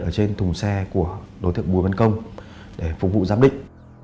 ở trên thùng xe của đối tượng bùi văn công để phục vụ giám định